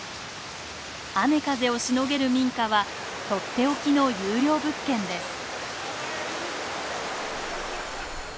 雨風をしのげる民家はとっておきの優良物件です。